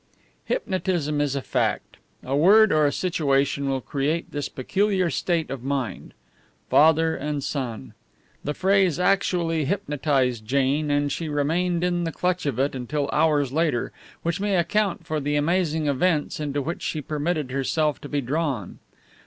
Hypnotism is a fact; a word or a situation will create this peculiar state of mind. Father and son! The phrase actually hypnotized Jane, and she remained in the clutch of it until hours later, which may account for the amazing events into which she permitted herself to be drawn.